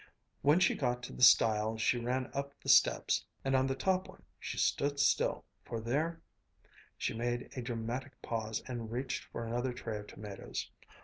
When she got to the stile she ran up the steps and on the top one she stood still, for there " She made a dramatic pause and reached for another tray of tomatoes.